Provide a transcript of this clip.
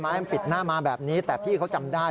มันปิดหน้ามาแบบนี้แต่พี่เขาจำได้